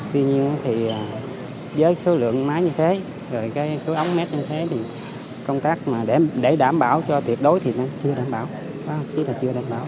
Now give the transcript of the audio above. tuy nhiên thì với số lượng máy như thế số ống mét như thế công tác để đảm bảo cho tiệt đối thì chưa đảm bảo